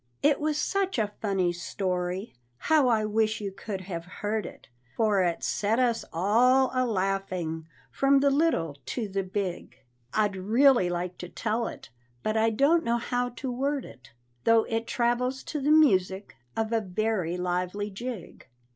It was such a funny story! how I wish you could have heard it, For it set us all a laughing, from the little to the big; I'd really like to tell it, but I don't know how to word it, Though it travels to the music of a very lively jig.